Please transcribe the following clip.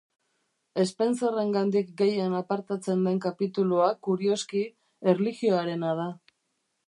Spencerrengandik gehien apartatzen den kapitulua, kurioski, erlijioarena da.